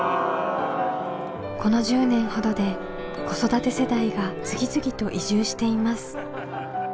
この１０年ほどで子育て世代が次々と移住しています。